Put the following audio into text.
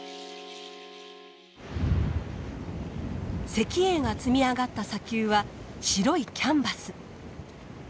石英が積み上がった砂丘は白いキャンバス。